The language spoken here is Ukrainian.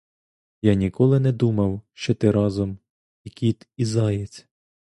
Я ніколи не думав, що ти разом: і кіт і заєць!